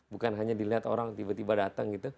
bukan hanya dilihat orang tiba tiba datang gitu